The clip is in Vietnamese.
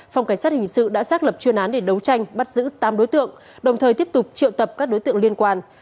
phòng cảnh sát hình sự đã xác lập chuyên án để đấu tranh bắt giữ tám đối tượng đồng thời tiếp tục triệu tập các đối tượng liên quan